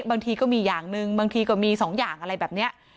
บางทีก็มีอย่างหนึ่งบางทีก็มีสองอย่างอะไรแบบนี้